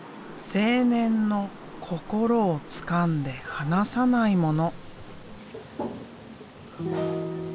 青年の心をつかんで離さないもの。